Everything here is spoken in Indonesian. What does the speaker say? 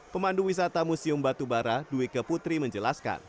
pemandu wisata museum batubara dwi keputri menjelaskan